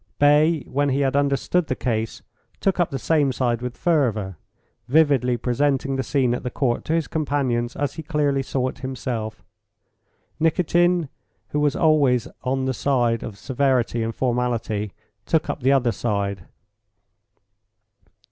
Bay, when he had understood the case, took up the same side with fervour, vividly presenting the scene at the court to his companions as he clearly saw it himself. Nikitin, who always was on the side of severity and formality, took up the other side.